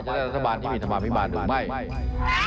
จะได้รัฐบาลที่มีรัฐบาลพิมพ์บ้านหนึ่งไหม